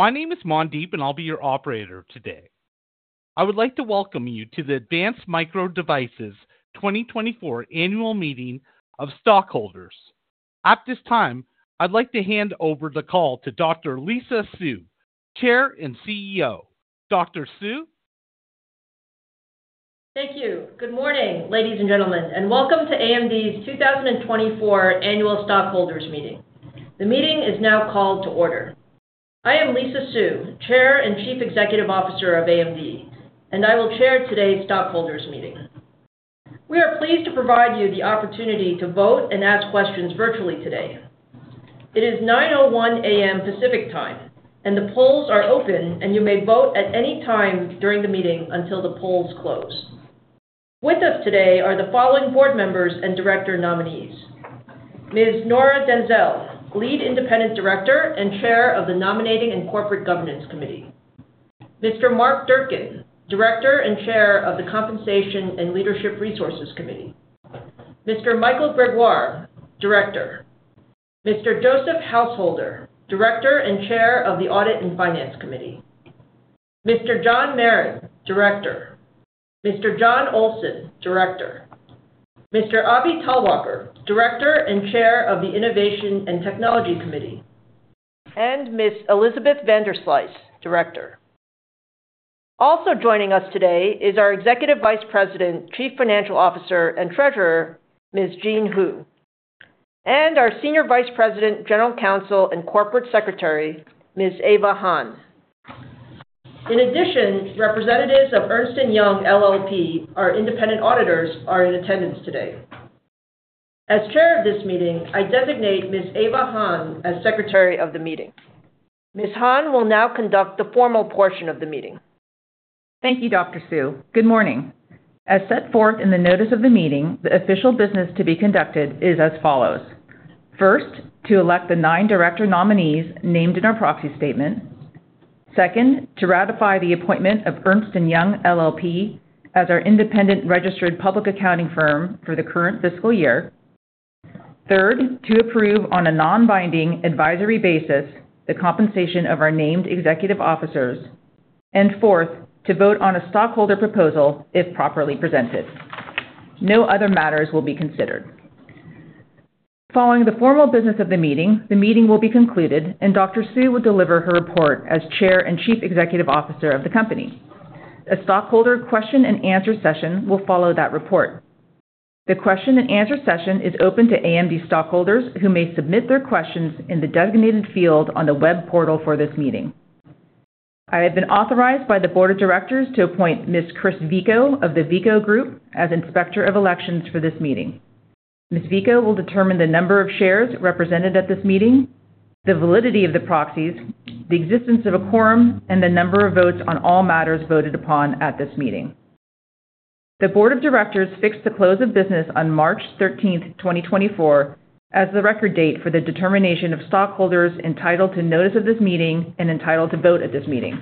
My name is Mandeep, and I'll be your operator today. I would like to welcome you to the Advanced Micro Devices 2024 Annual Meeting of Stockholders. At this time, I'd like to hand over the call to Dr. Lisa Su, Chair and CEO. Dr. Su? Thank you. Good morning, ladies and gentlemen, and welcome to AMD's 2024 Annual Stockholders Meeting. The meeting is now called to order. I am Lisa Su, Chair and Chief Executive Officer of AMD, and I will chair today's stockholders meeting. We are pleased to provide you the opportunity to vote and ask questions virtually today. It is 9:01 A.M. Pacific Time, and the polls are open, and you may vote at any time during the meeting until the polls close. With us today are the following board members and director nominees: Ms. Nora Denzel, Lead Independent Director and Chair of the Nominating and Corporate Governance Committee. Mr. Mark Durkan, Director and Chair of the Compensation and Leadership Resources Committee. Mr. Michael Gregoire, Director. Mr. Joseph Householder, Director and Chair of the Audit and Finance Committee. Mr. John Marren, Director. Mr. Jon Olson, Director. Mr. Abi Talwalkar, Director and Chair of the Innovation and Technology Committee, and Ms. Elizabeth Vanderslice, Director. Also joining us today is our Executive Vice President, Chief Financial Officer, and Treasurer, Ms. Jean Hu, and our Senior Vice President, General Counsel, and Corporate Secretary, Ms. Ava Hahn. In addition, representatives of Ernst & Young LLP, our independent auditors, are in attendance today. As chair of this meeting, I designate Ms. Ava Hahn as Secretary of the meeting. Ms. Hahn will now conduct the formal portion of the meeting. Thank you, Dr. Su. Good morning. As set forth in the notice of the meeting, the official business to be conducted is as follows: First, to elect the nine director nominees named in our proxy statement. Second, to ratify the appointment of Ernst & Young LLP as our independent registered public accounting firm for the current fiscal year. Third, to approve, on a non-binding, advisory basis, the compensation of our named executive officers. And fourth, to vote on a stockholder proposal if properly presented. No other matters will be considered. Following the formal business of the meeting, the meeting will be concluded, and Dr. Su will deliver her report as Chair and Chief Executive Officer of the company. A stockholder question-and-answer session will follow that report. The question-and-answer session is open to AMD stockholders, who may submit their questions in the designated field on the web portal for this meeting. I have been authorized by the board of directors to appoint Ms. Kristina Veaco of the Veaco Group as Inspector of Elections for this meeting. Ms. Veaco will determine the number of shares represented at this meeting, the validity of the proxies, the existence of a quorum, and the number of votes on all matters voted upon at this meeting. The board of directors fixed the close of business on March 13, 2024, as the record date for the determination of stockholders entitled to notice of this meeting and entitled to vote at this meeting.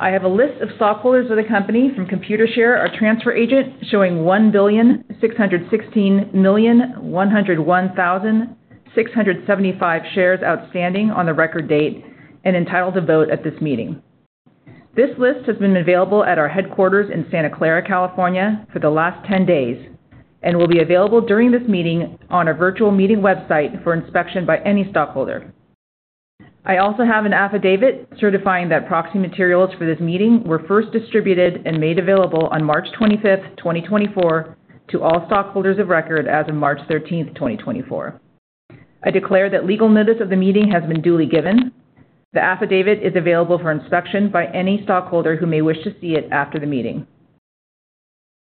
I have a list of stockholders of the company from Computershare, our transfer agent, showing 1,616,101,675 shares outstanding on the record date and entitled to vote at this meeting. This list has been available at our headquarters in Santa Clara, California, for the last 10 days and will be available during this meeting on our virtual meeting website for inspection by any stockholder. I also have an affidavit certifying that proxy materials for this meeting were first distributed and made available on March 25, 2024, to all stockholders of record as of March 13, 2024. I declare that legal notice of the meeting has been duly given. The affidavit is available for inspection by any stockholder who may wish to see it after the meeting.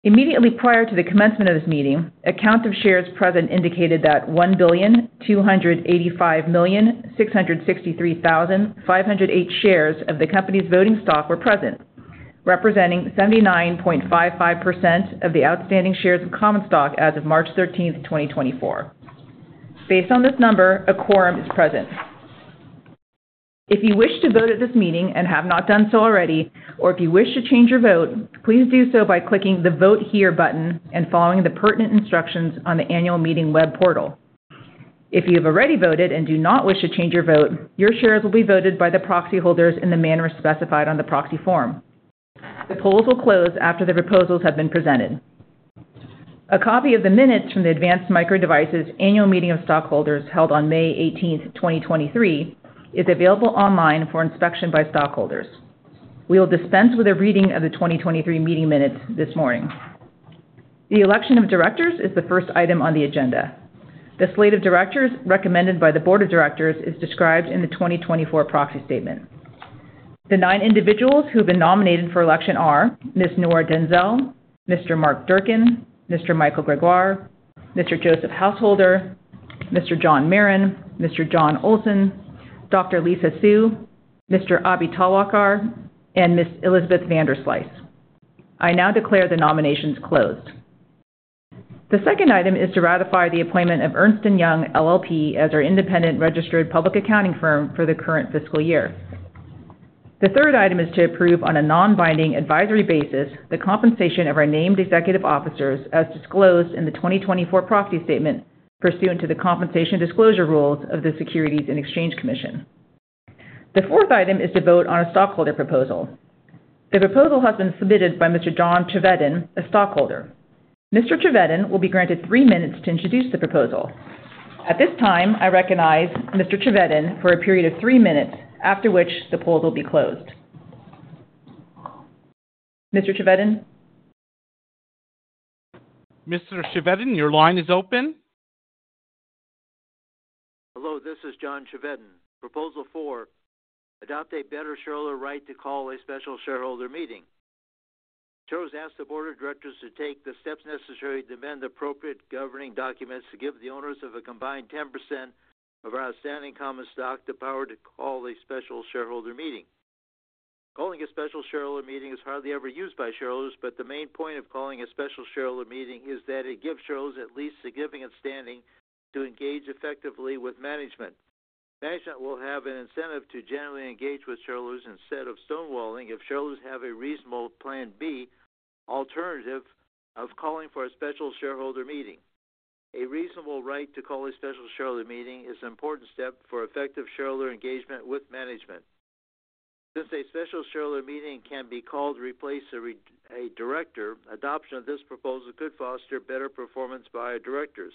Immediately prior to the commencement of this meeting, a count of shares present indicated that 1,285,663,508 shares of the company's voting stock were present, representing 79.55% of the outstanding shares of common stock as of March thirteenth, 2024. Based on this number, a quorum is present. If you wish to vote at this meeting and have not done so already, or if you wish to change your vote, please do so by clicking the Vote Here button and following the pertinent instructions on the annual meeting web portal. If you have already voted and do not wish to change your vote, your shares will be voted by the proxy holders in the manner specified on the proxy form. The polls will close after the proposals have been presented. A copy of the minutes from the Advanced Micro Devices annual meeting of stockholders held on May 18, 2023, is available online for inspection by stockholders. We will dispense with a reading of the 2023 meeting minutes this morning. The election of directors is the first item on the agenda. The slate of directors recommended by the board of directors is described in the 2024 proxy statement. The nine individuals who have been nominated for election are Ms. Nora Denzel, Mr. Mark Durkan, Mr. Michael Gregoire, Mr. Joseph Householder, Mr. John Marren, Mr. Jon Olson, Dr. Lisa Su, Mr. Abi Talwalkar, and Ms. Elizabeth Vanderslice. I now declare the nominations closed. The second item is to ratify the appointment of Ernst & Young LLP as our independent registered public accounting firm for the current fiscal year. The third item is to approve on a non-binding advisory basis, the compensation of our named executive officers, as disclosed in the 2024 proxy statement, pursuant to the compensation disclosure rules of the Securities and Exchange Commission. The fourth item is to vote on a stockholder proposal. The proposal has been submitted by Mr. John Chevedden, a stockholder. Mr. Chevedden will be granted three minutes to introduce the proposal. At this time, I recognize Mr. Chevedden for a period of three minutes, after which the polls will be closed. Mr. Chevedden? Mr. Chevedden, your line is open. Hello, this is John Chevedden. Proposal 4: adopt a better shareholder right to call a special shareholder meeting. Shareholders ask the board of directors to take the steps necessary to amend the appropriate governing documents to give the owners of a combined 10% of our outstanding common stock the power to call a special shareholder meeting. Calling a special shareholder meeting is hardly ever used by shareholders, but the main point of calling a special shareholder meeting is that it gives shareholders at least significant standing to engage effectively with management. Management will have an incentive to generally engage with shareholders instead of stonewalling if shareholders have a reasonable plan B alternative of calling for a special shareholder meeting. A reasonable right to call a special shareholder meeting is an important step for effective shareholder engagement with management. Since a special shareholder meeting can be called to replace a director, adoption of this proposal could foster better performance by our directors.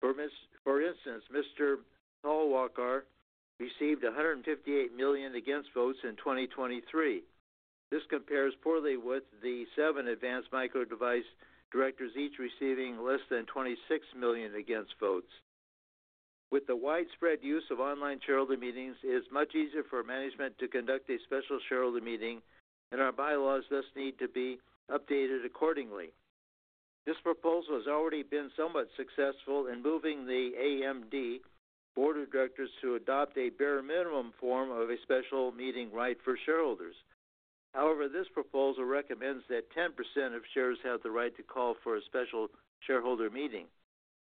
For instance, Mr. Abi Talwalkar received 158 million against votes in 2023. This compares poorly with the seven Advanced Micro Devices directors, each receiving less than 26 million against votes. With the widespread use of online shareholder meetings, it's much easier for management to conduct a special shareholder meeting, and our bylaws thus need to be updated accordingly. This proposal has already been somewhat successful in moving the AMD board of directors to adopt a bare minimum form of a special meeting right for shareholders. However, this proposal recommends that 10% of shares have the right to call for a special shareholder meeting.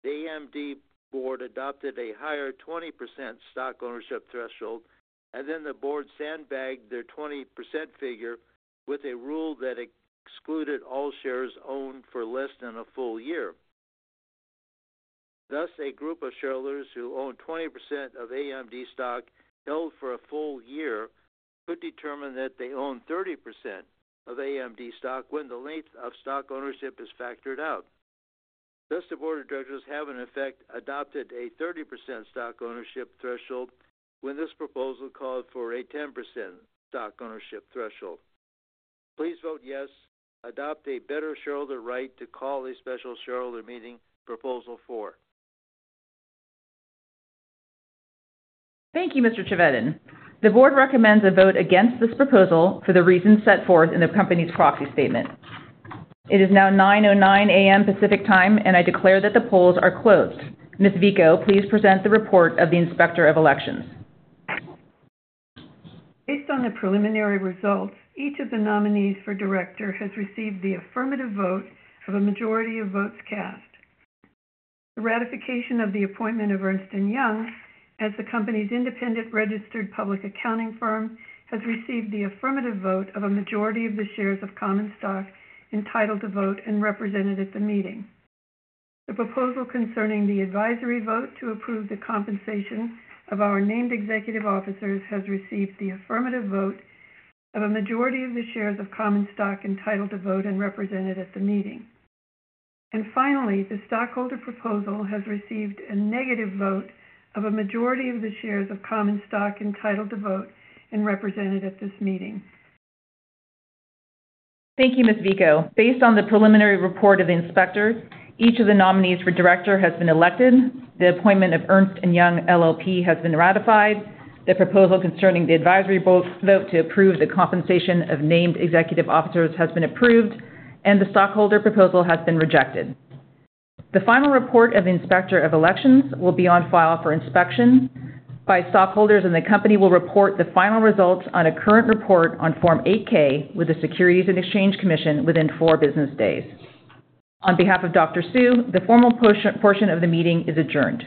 The AMD board adopted a higher 20% stock ownership threshold, and then the board sandbagged their 20% figure with a rule that excluded all shares owned for less than a full year. Thus, a group of shareholders who own 20% of AMD stock held for a full year could determine that they own 30% of AMD stock when the length of stock ownership is factored out. Thus, the board of directors have, in effect, adopted a 30% stock ownership threshold when this proposal called for a 10% stock ownership threshold. Please vote yes. Adopt a better shareholder right to call a special shareholder meeting. Proposal 4. Thank you, Mr. Chevedden. The board recommends a vote against this proposal for the reasons set forth in the company's proxy statement. It is now 9:09 A.M. Pacific Time, and I declare that the polls are closed. Ms. Veaco, please present the report of the Inspector of Elections. Based on the preliminary results, each of the nominees for director has received the affirmative vote of a majority of votes cast. The ratification of the appointment of Ernst & Young as the company's independent registered public accounting firm has received the affirmative vote of a majority of the shares of common stock entitled to vote and represented at the meeting. The proposal concerning the advisory vote to approve the compensation of our named executive officers has received the affirmative vote of a majority of the shares of common stock entitled to vote and represented at the meeting. And finally, the stockholder proposal has received a negative vote of a majority of the shares of common stock entitled to vote and represented at this meeting. Thank you, Ms. Veaco. Based on the preliminary report of the inspector, each of the nominees for director has been elected, the appointment of Ernst & Young LLP has been ratified. The proposal concerning the advisory vote to approve the compensation of named executive officers has been approved, and the stockholder proposal has been rejected. The final report of the Inspector of Elections will be on file for inspection by stockholders, and the company will report the final results on a current report on Form 8-K with the Securities and Exchange Commission within four business days. On behalf of Dr. Su, the formal portion of the meeting is adjourned.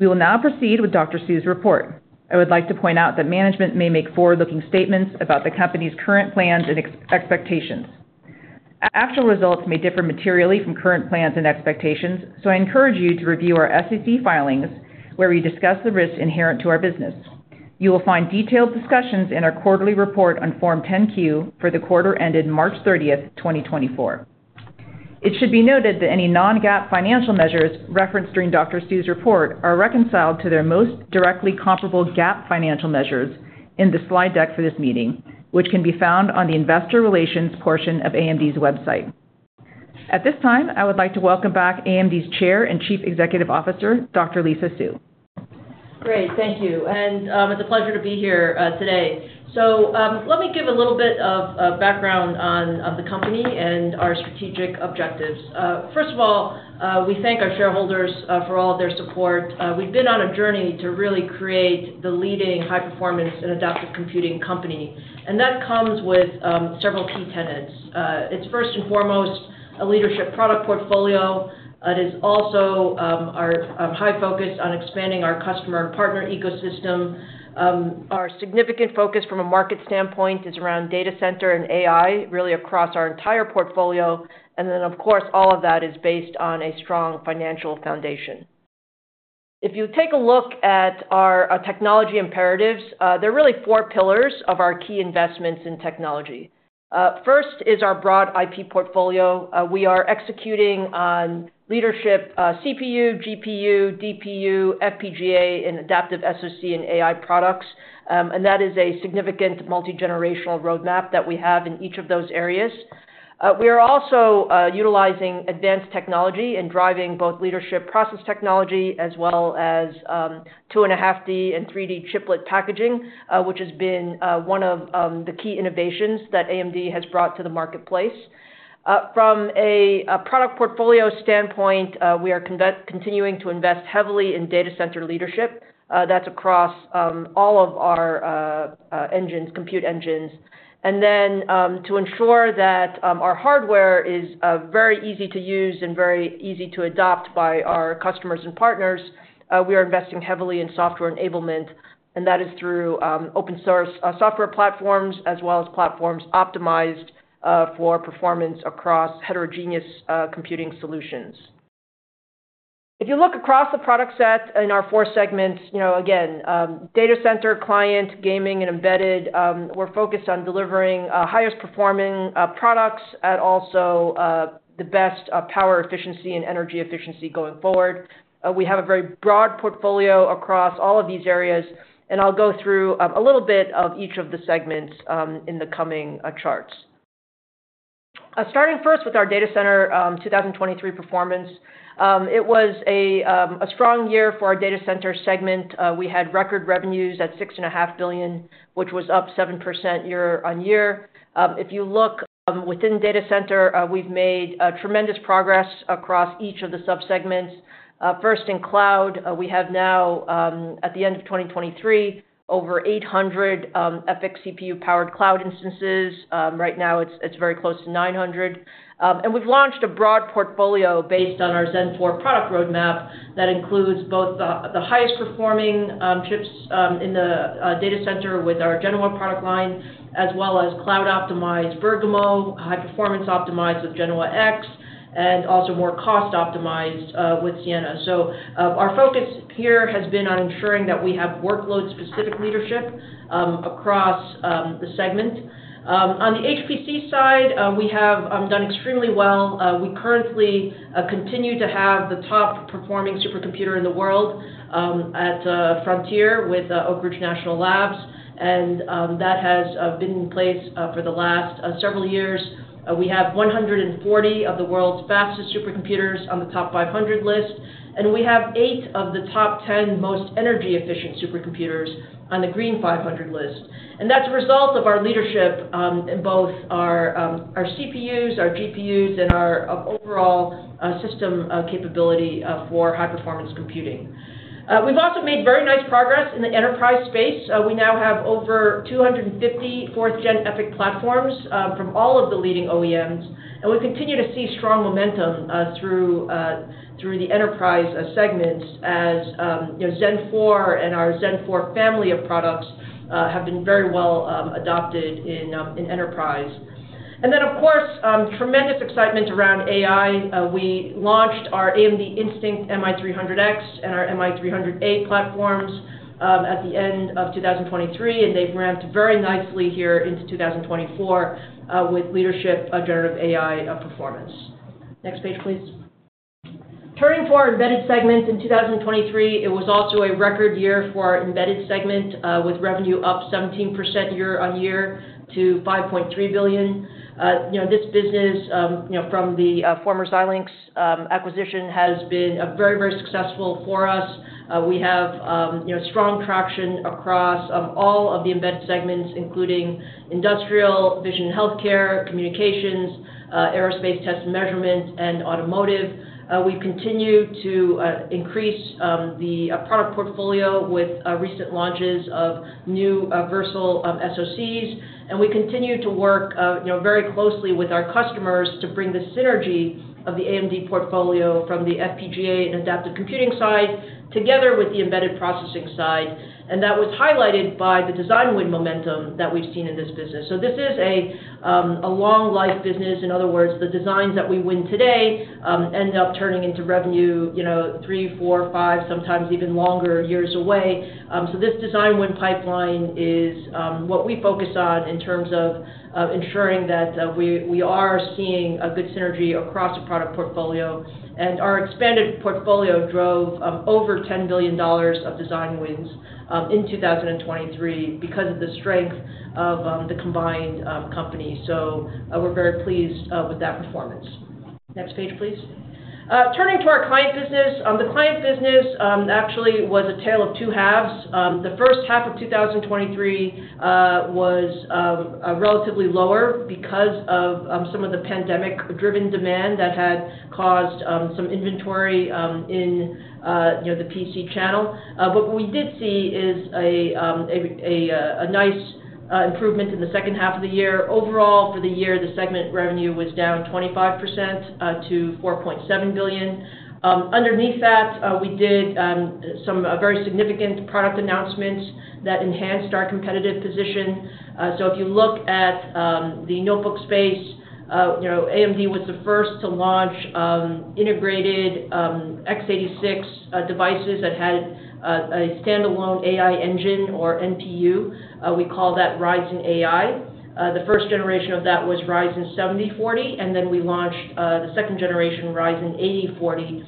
We will now proceed with Dr. Su's report. I would like to point out that management may make forward-looking statements about the company's current plans and expectations. Actual results may differ materially from current plans and expectations, so I encourage you to review our SEC filings, where we discuss the risks inherent to our business. You will find detailed discussions in our quarterly report on Form 10-Q for the quarter ended March 30, 2024. It should be noted that any non-GAAP financial measures referenced during Dr. Su's report are reconciled to their most directly comparable GAAP financial measures in the slide deck for this meeting, which can be found on the investor relations portion of AMD's website. At this time, I would like to welcome back AMD's Chair and Chief Executive Officer, Dr. Lisa Su. Great, thank you. It's a pleasure to be here today. Let me give a little bit of background on the company and our strategic objectives. First of all, we thank our shareholders for all of their support. We've been on a journey to really create the leading high-performance and adaptive computing company, and that comes with several key tenets. It's first and foremost a leadership product portfolio. It is also our high focus on expanding our customer and partner ecosystem. Our significant focus from a market standpoint is around data center and AI, really across our entire portfolio, and then, of course, all of that is based on a strong financial foundation. If you take a look at our technology imperatives, there are really four pillars of our key investments in technology. First is our broad IP portfolio. We are executing on leadership, CPU, GPU, DPU, FPGA, and adaptive SoC and AI products. And that is a significant multi-generational roadmap that we have in each of those areas. We are also utilizing advanced technology and driving both leadership process technology as well as 2.5D and 3D chiplet packaging, which has been one of the key innovations that AMD has brought to the marketplace. From a product portfolio standpoint, we are continuing to invest heavily in data center leadership, that's across all of our engines, compute engines. Then, to ensure that our hardware is very easy to use and very easy to adopt by our customers and partners, we are investing heavily in software enablement, and that is through open source software platforms, as well as platforms optimized for performance across heterogeneous computing solutions. If you look across the product set in our four segments, you know, again, data center, client, gaming, and embedded, we're focused on delivering highest performing products at also the best power efficiency and energy efficiency going forward. We have a very broad portfolio across all of these areas, and I'll go through a little bit of each of the segments in the coming charts. Starting first with our data center, 2023 performance. It was a strong year for our data center segment. We had record revenues of $6.5 billion, which was up 7% year-on-year. If you look within data center, we've made tremendous progress across each of the subsegments. First, in cloud, we have now at the end of 2023, over 800 EPYC CPU-powered cloud instances. Right now it's very close to 900. And we've launched a broad portfolio based on our Zen 4 product roadmap, that includes both the highest performing chips in the data center with our Genoa product line, as well as cloud-optimized Bergamo, high-performance optimized with Genoa-X, and also more cost-optimized with Siena. So, our focus here has been on ensuring that we have workload-specific leadership, across the segment. On the HPC side, we have done extremely well. We currently continue to have the top-performing supercomputer in the world, at Frontier with Oak Ridge National Labs, and that has been in place for the last several years. We have 140 of the world's fastest supercomputers on the TOP500 list, and we have eight of the top 10 most energy-efficient supercomputers on the Green500 list. And that's a result of our leadership, in both our CPUs, our GPUs, and our overall system capability for high-performance computing. We've also made very nice progress in the enterprise space. We now have over 250 fourth-gen EPYC platforms from all of the leading OEMs, and we continue to see strong momentum through the enterprise segments as you know, Zen 4 and our Zen 4 family of products have been very well adopted in enterprise. And then, of course, tremendous excitement around AI. We launched our AMD Instinct MI300X and our MI300A platforms at the end of 2023, and they've ramped very nicely here into 2024 with leadership generative AI performance. Next page, please. Turning to our embedded segment. In 2023, it was also a record year for our embedded segment with revenue up 17% year-on-year to $5.3 billion. You know, this business, you know, from the former Xilinx acquisition, has been very, very successful for us. We have you know, strong traction across all of the embedded segments, including industrial, vision, healthcare, communications, aerospace, test and measurement, and automotive. We've continued to increase the product portfolio with recent launches of new Versal SoCs. And we continue to work you know, very closely with our customers to bring the synergy of the AMD portfolio from the FPGA and adaptive computing side, together with the embedded processing side, and that was highlighted by the design win momentum that we've seen in this business. So this is a long life business. In other words, the designs that we win today end up turning into revenue, you know, 3, 4, 5, sometimes even longer, years away. So this design win pipeline is what we focus on in terms of ensuring that we are seeing a good synergy across the product portfolio. And our expanded portfolio drove over $10 billion of design wins in 2023 because of the strength of the combined company. So we're very pleased with that performance. Next page, please. Turning to our client business. The client business actually was a tale of two halves. The first half of 2023 was relatively lower because of some of the pandemic-driven demand that had caused some inventory in you know the PC channel. But what we did see is a nice improvement in the second half of the year. Overall, for the year, the segment revenue was down 25% to $4.7 billion. Underneath that, we did some very significant product announcements that enhanced our competitive position. So if you look at the notebook space, you know, AMD was the first to launch integrated x86 devices that had a standalone AI engine or NPU. We call that Ryzen AI. The first generation of that was Ryzen 7040, and then we launched the second generation, Ryzen 8040,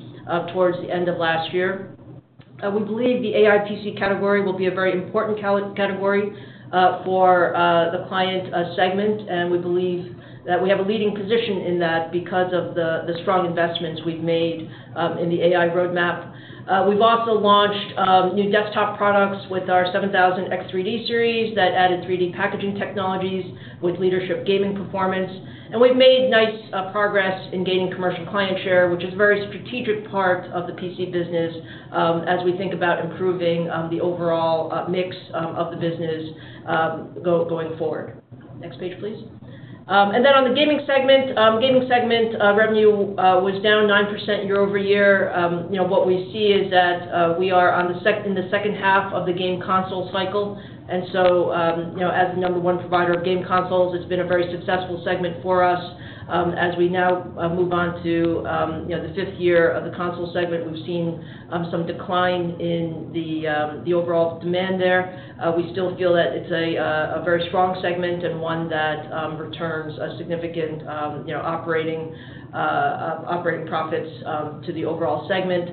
towards the end of last year. We believe the AI PC category will be a very important category for the client segment, and we believe that we have a leading position in that because of the strong investments we've made in the AI roadmap. We've also launched new desktop products with our 7000 X3D series that added 3D packaging technologies with leadership gaming performance. And we've made nice progress in gaining commercial client share, which is a very strategic part of the PC business, as we think about improving the overall mix of the business going forward. Next page, please. And then on the gaming segment, gaming segment revenue was down 9% year-over-year. You know, what we see is that we are in the second half of the game console cycle, and so, you know, as the number one provider of game consoles, it's been a very successful segment for us. As we now move on to, you know, the fifth year of the console segment, we've seen some decline in the overall demand there. We still feel that it's a very strong segment and one that returns a significant, you know, operating profits to the overall segment.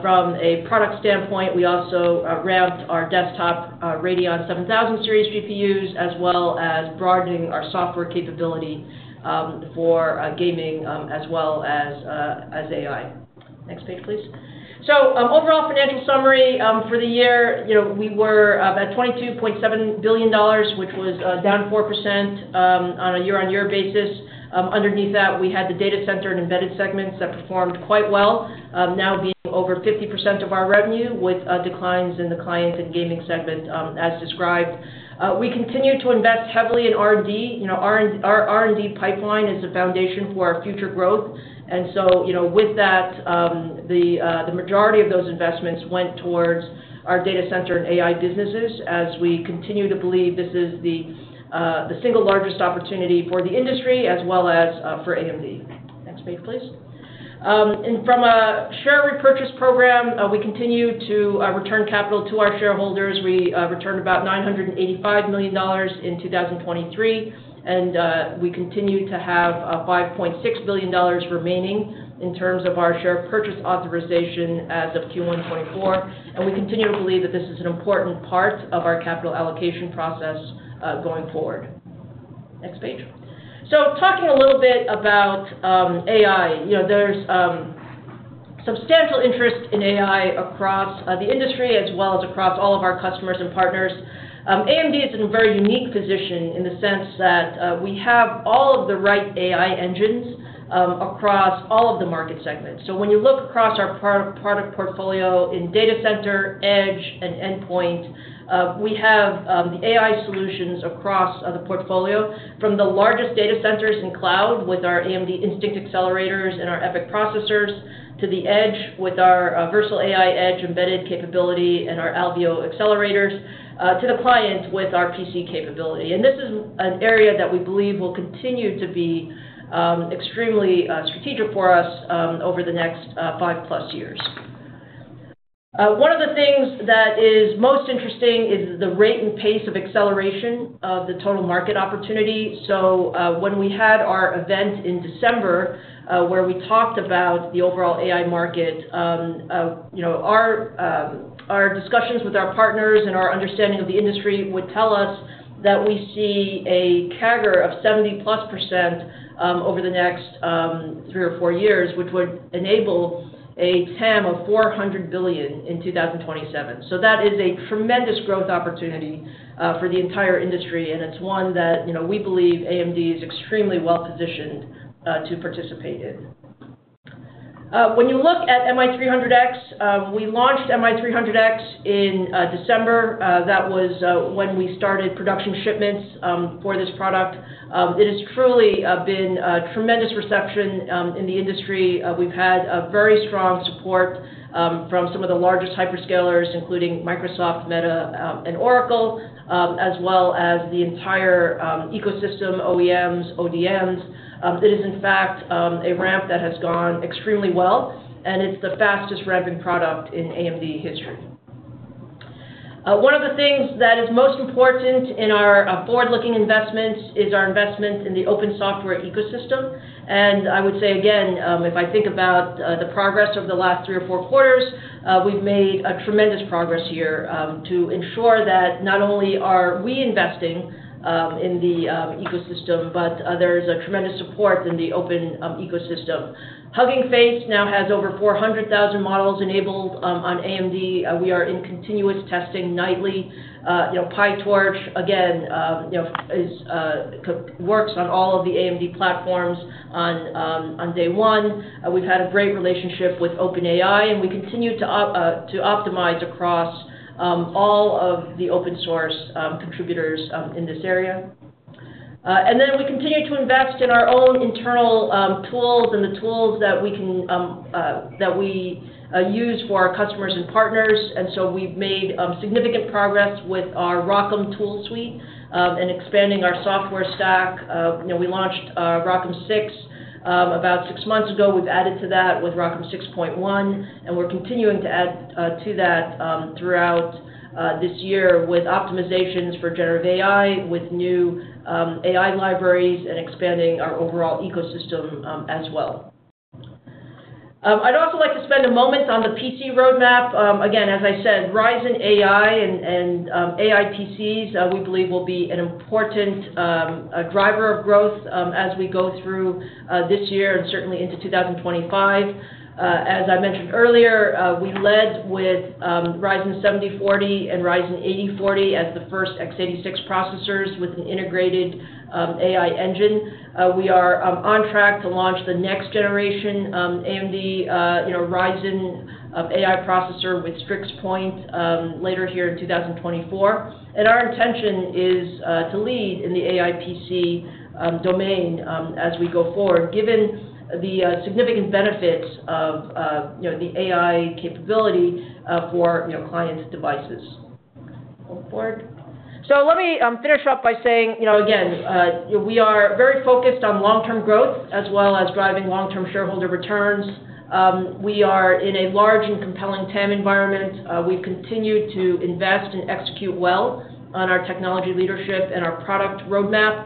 From a product standpoint, we also ramped our desktop Radeon 7000 Series GPUs, as well as broadening our software capability for gaming, as well as AI. Next page, please. So, overall financial summary for the year, you know, we were at $22.7 billion, which was down 4% on a year-on-year basis. Underneath that, we had the data center and embedded segments that performed quite well, now being over 50% of our revenue, with declines in the client and gaming segment, as described. We continue to invest heavily in R&D. You know, our R&D pipeline is the foundation for our future growth. And so, you know, with that, the majority of those investments went towards our data center and AI businesses, as we continue to believe this is the single largest opportunity for the industry, as well as for AMD. Next page, please. And from a share repurchase program, we continue to return capital to our shareholders. We returned about $985 million in 2023, and we continue to have $5.6 billion remaining in terms of our share purchase authorization as of Q1 2024. And we continue to believe that this is an important part of our capital allocation process going forward. Next page. So talking a little bit about AI. You know, there's substantial interest in AI across the industry, as well as across all of our customers and partners. AMD is in a very unique position in the sense that we have all of the right AI engines across all of the market segments. So when you look across our product portfolio in data center, edge, and endpoint, we have the AI solutions across the portfolio from the largest data centers in cloud with our AMD Instinct accelerators and our EPYC processors, to the edge with our Versal AI Edge embedded capability and our Alveo accelerators, to the client with our PC capability. And this is an area that we believe will continue to be extremely strategic for us over the next 5+ years. One of the things that is most interesting is the rate and pace of acceleration of the total market opportunity. So, when we had our event in December, where we talked about the overall AI market, you know, our discussions with our partners and our understanding of the industry would tell us that we see a CAGR of 70%+, over the next 3 or 4 years, which would enable a TAM of $400 billion in 2027. So that is a tremendous growth opportunity, for the entire industry, and it's one that, you know, we believe AMD is extremely well-positioned, to participate in. When you look at MI300X, we launched MI300X in December. That was when we started production shipments, for this product. It has truly been a tremendous reception, in the industry. We've had a very strong support from some of the largest hyperscalers, including Microsoft, Meta, and Oracle, as well as the entire ecosystem, OEMs, ODMs. It is in fact a ramp that has gone extremely well, and it's the fastest-ramping product in AMD history. One of the things that is most important in our forward-looking investments is our investment in the open software ecosystem. And I would say again, if I think about the progress over the last three or four quarters, we've made a tremendous progress here to ensure that not only are we investing in the ecosystem, but there's a tremendous support in the open ecosystem. Hugging Face now has over 400,000 models enabled on AMD. We are in continuous testing nightly. You know, PyTorch, again, you know, works on all of the AMD platforms on day one. We've had a great relationship with OpenAI, and we continue to optimize across all of the open source contributors in this area. And then we continue to invest in our own internal tools and the tools that we use for our customers and partners. And so we've made significant progress with our ROCm tool suite and expanding our software stack. You know, we launched ROCm 6 about six months ago. We've added to that with ROCm 6.1, and we're continuing to add to that throughout this year with optimizations for generative AI, with new AI libraries, and expanding our overall ecosystem as well. I'd also like to spend a moment on the PC roadmap. Again, as I said, Ryzen AI and AI PCs, we believe will be an important driver of growth as we go through this year and certainly into 2025. As I mentioned earlier, we led with Ryzen 7040 and Ryzen 8040 as the first x86 processors with an integrated AI engine. We are on track to launch the next generation AMD you know Ryzen AI processor with Strix Point later here in 2024. Our intention is to lead in the AI PC domain as we go forward, given the significant benefits of, you know, the AI capability for, you know, client devices. So let me finish up by saying, you know, again, we are very focused on long-term growth as well as driving long-term shareholder returns. We are in a large and compelling TAM environment. We've continued to invest and execute well on our technology leadership and our product roadmap.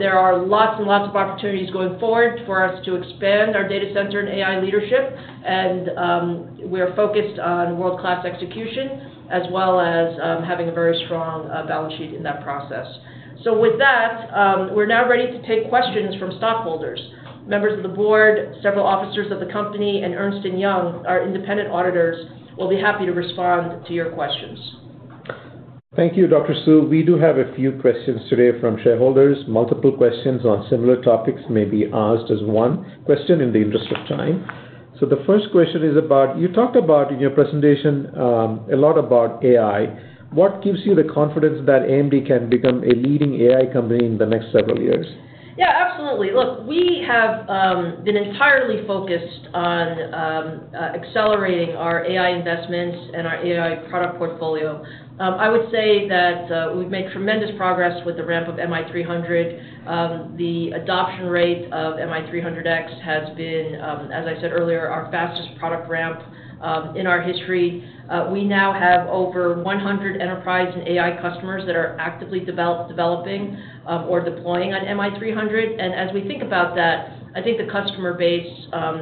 There are lots and lots of opportunities going forward for us to expand our data center and AI leadership, and we're focused on world-class execution, as well as having a very strong balance sheet in that process. So with that, we're now ready to take questions from stockholders. Members of the board, several officers of the company, and Ernst & Young, our independent auditors, will be happy to respond to your questions. Thank you, Dr. Su. We do have a few questions today from shareholders. Multiple questions on similar topics may be asked as one question in the interest of time. So the first question is about. You talked about in your presentation a lot about AI. What gives you the confidence that AMD can become a leading AI company in the next several years? Yeah, absolutely. Look, we have been entirely focused on accelerating our AI investments and our AI product portfolio. I would say that we've made tremendous progress with the ramp of MI300. The adoption rate of MI300X has been, as I said earlier, our fastest product ramp in our history. We now have over 100 enterprise and AI customers that are actively developing or deploying on MI300. And as we think about that, I think the customer base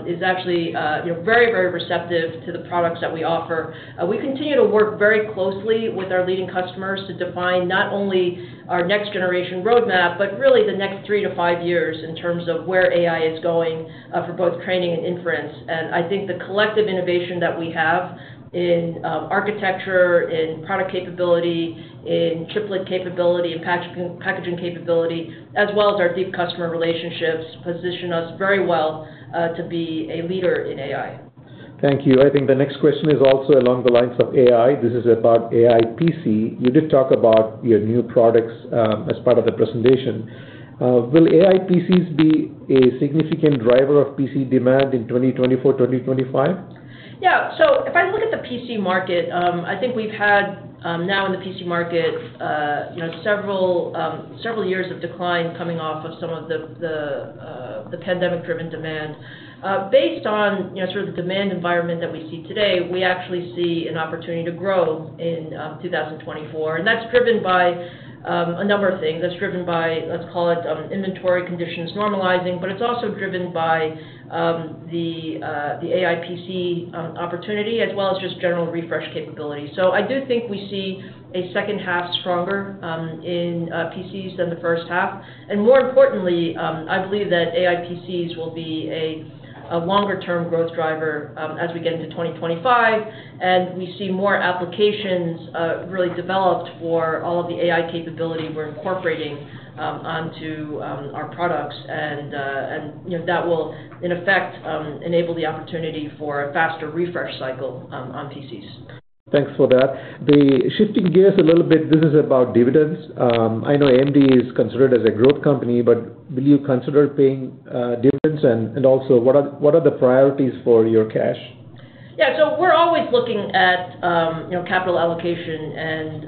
is actually you know very, very receptive to the products that we offer. We continue to work very closely with our leading customers to define not only our next generation roadmap, but really the next 3-5 years in terms of where AI is going for both training and inference. I think the collective innovation that we have in architecture, in product capability, in chiplet capability, in packaging capability, as well as our deep customer relationships, position us very well to be a leader in AI. Thank you. I think the next question is also along the lines of AI. This is about AI PC. You did talk about your new products, as part of the presentation. Will AI PCs be a significant driver of PC demand in 2024, 2025? Yeah. So if I look at the PC market, I think we've had, now in the PC market, you know, several years of decline coming off of some of the pandemic-driven demand. Based on, you know, sort of the demand environment that we see today, we actually see an opportunity to grow in 2024, and that's driven by a number of things. That's driven by, let's call it, inventory conditions normalizing, but it's also driven by the AI PC opportunity, as well as just general refresh capability. So I do think we see a second half stronger in PCs than the first half. More importantly, I believe that AI PCs will be a longer-term growth driver, as we get into 2025, and we see more applications really developed for all of the AI capability we're incorporating onto our products. And, you know, that will, in effect, enable the opportunity for a faster refresh cycle on PCs. Thanks for that. Shifting gears a little bit, this is about dividends. I know AMD is considered as a growth company, but will you consider paying dividends? And also, what are the priorities for your cash? Yeah, so we're always looking at, you know, capital allocation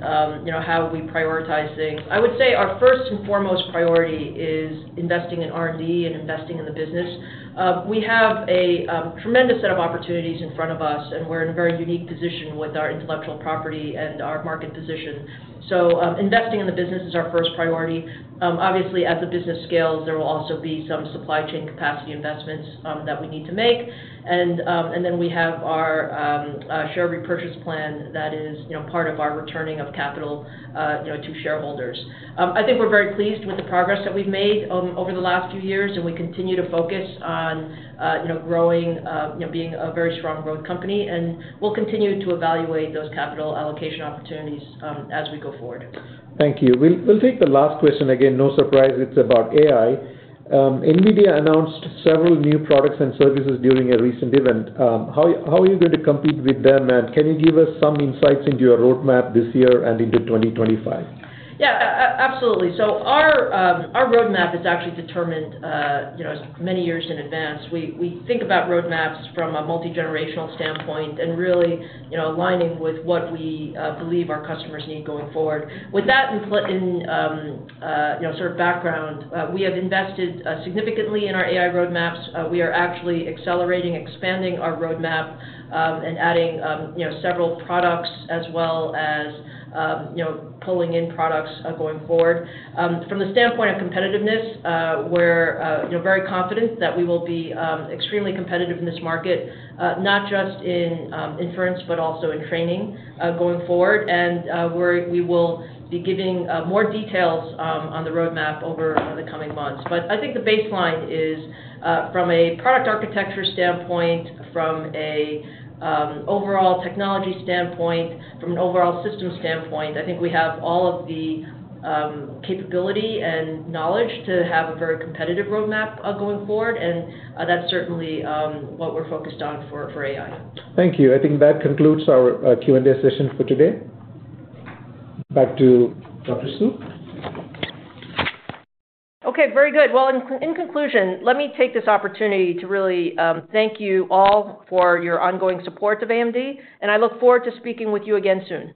and, you know, how we prioritize things. I would say our first and foremost priority is investing in R&D and investing in the business. We have a tremendous set of opportunities in front of us, and we're in a very unique position with our intellectual property and our market position. So, investing in the business is our first priority. Obviously, as the business scales, there will also be some supply chain capacity investments that we need to make. And, and then we have our share repurchase plan that is, you know, part of our returning of capital, you know, to shareholders. I think we're very pleased with the progress that we've made over the last few years, and we continue to focus on, you know, growing, you know, being a very strong growth company, and we'll continue to evaluate those capital allocation opportunities, as we go forward. Thank you. We'll take the last question. Again, no surprise, it's about AI. NVIDIA announced several new products and services during a recent event. How are you going to compete with them? And can you give us some insights into your roadmap this year and into 2025? Yeah, absolutely. So our roadmap is actually determined, you know, many years in advance. We think about roadmaps from a multigenerational standpoint and really, you know, aligning with what we believe our customers need going forward. With that in place in, you know, sort of background, we have invested significantly in our AI roadmaps. We are actually accelerating, expanding our roadmap, and adding, you know, several products as well as, you know, pulling in products going forward. From the standpoint of competitiveness, we're, you know, very confident that we will be extremely competitive in this market, not just in inference, but also in training going forward. And we will be giving more details on the roadmap over the coming months. But I think the baseline is from a product architecture standpoint, from an overall technology standpoint, from an overall system standpoint. I think we have all of the capability and knowledge to have a very competitive roadmap going forward, and that's certainly what we're focused on for AI. Thank you. I think that concludes our Q&A session for today. Back to Dr. Su. Okay, very good. Well, in conclusion, let me take this opportunity to really thank you all for your ongoing support of AMD, and I look forward to speaking with you again soon.